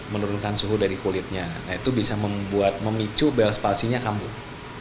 mengurangkan suhu dari kulitnya itu bisa memicu belas maksinya kambung